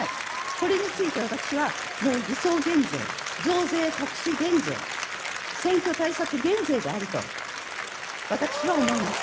これについて私はもう偽装減税、増税隠し減税、選挙対策減税であると、私は思います。